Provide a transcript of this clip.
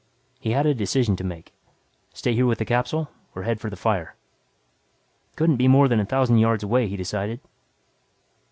He had a decision to make; stay here with the capsule or head for the fire. Couldn't be more than a thousand yards away, he decided.